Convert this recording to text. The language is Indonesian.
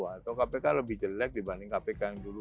atau kpk lebih jelek dibanding kpk yang dulu